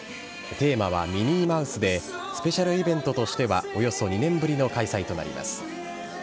テーマはミニーマウスで、スペシャルイベントとしてはおよそ２年ぶりの開催となります。